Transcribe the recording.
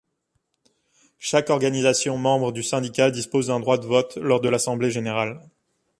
Chaque organisation membre du syndicat dispose d'un droit de vote lors de l'Assemblée générale.